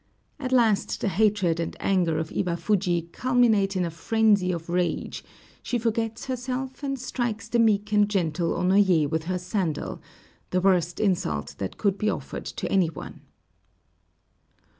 At last the hatred and anger of Iwafuji culminate in a frenzy of rage; she forgets herself, and strikes the meek and gentle Onoyé with her sandal, the worst insult that could be offered to any one.